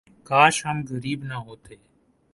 کاش ہم غریب نہ ہوتے